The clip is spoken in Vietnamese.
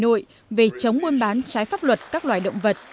hà nội về chống buôn bán trái pháp luật các loài động vật